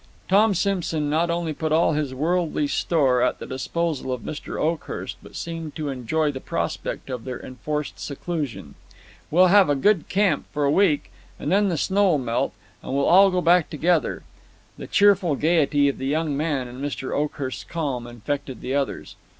Tom Simson not only put all his worldly store at the disposal of Mr. Oakhurst, but seemed to enjoy the prospect of their enforced seclusion. "We'll have a good camp for a week, and then the snow'll melt, and we'll all go back together." The cheerful gaiety of the young man, and Mr. Oakhurst's calm, infected the others.